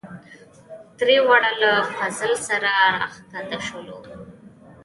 دریواړه له فضل سره راکښته شولو.